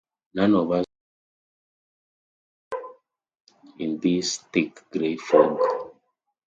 None of us could see each other in this thick grey fog.